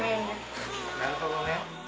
なるほどね。